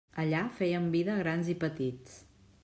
Allà fèiem vida, grans i petits.